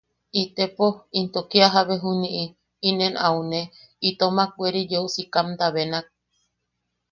–Itepo, into kia jabe juniʼi, inen aune, itomak weri yeu sikamta benak.